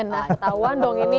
nah ketauan dong ini